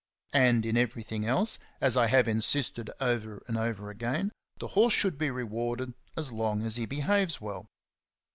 And in everything else, as I have insisted over and over again, the horse should be rewarded as long as he behaves well.